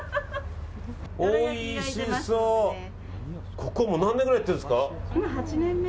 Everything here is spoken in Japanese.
ここ何年くらいやってるんですか。